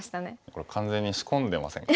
これ完全に仕込んでませんか？